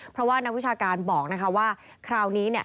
ที่วิชาการบอกว่าคราวนี้